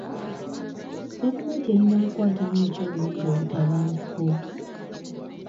Gavumenti eyinza kukwatamu etya obulungi obutabanguko?